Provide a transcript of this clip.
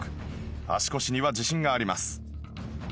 足腰には自信があります。